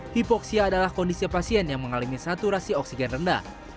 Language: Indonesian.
hipoksia adalah kondisi pasien yang mengalami saturasi oksigen rendah